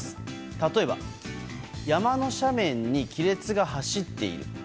例えば、山の斜面に亀裂が走っている。